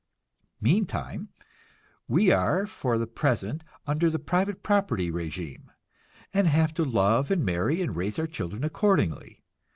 Meantime, we are for the present under the private property régime, and have to love and marry and raise our children accordingly.